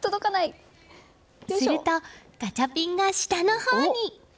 すると、ガチャピンが下のほうに。